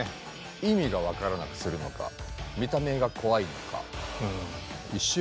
意味が分からなくするのか見た目が怖いのか。